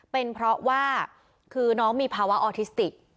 เป็นเพราะว่าคือน้องมีภาวะออทิสติก